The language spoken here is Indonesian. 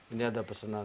ini ada pesenan